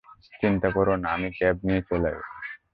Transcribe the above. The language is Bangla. চিন্তা করো না, আমি ক্যাব নিয়ে চলে যাব।